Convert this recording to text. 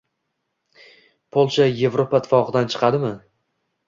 Polsha Yevroittifoqdan chiqadimi?